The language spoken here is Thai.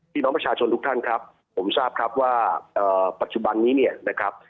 พี่น้องประชาชนทุกท่านครับผมทราบครับว่าปัจจุบันนี้เนี่ยนะครับ